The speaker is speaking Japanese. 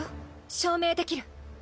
証明できる。